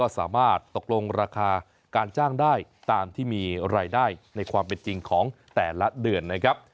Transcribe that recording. สามารถตกลงราคาการจ้างได้ตามที่มีรายได้ในความเป็นจริงของแต่ละเดือนนะครับ